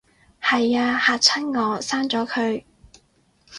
係吖，嚇親我，刪咗佢